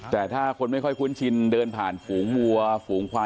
แต่ถ้าคนไม่ค่อยคุ้นชินเดินผ่านฝูงวัวฝูงควาย